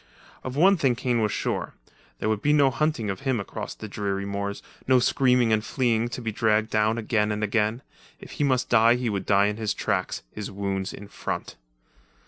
Of one thing Kane was sure; there would be no hunting of him across the dreary moors, no screaming and fleeing to be dragged down again and again. If he must die he would die in his tracks, his wounds in front.